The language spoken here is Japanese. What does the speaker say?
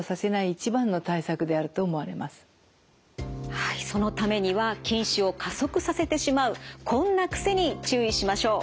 はいそのためには近視を加速させてしまうこんな癖に注意しましょう。